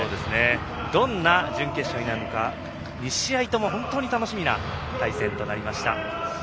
どんな準決勝になるか２試合とも本当に楽しみな対戦になりました。